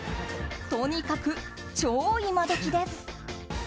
とにかく超今どきです。